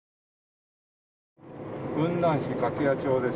雲南市掛谷町です。